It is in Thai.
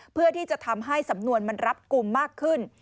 เพื่อที่จะทำให้สำนวนมันรัดกลุ่มมากขึ้น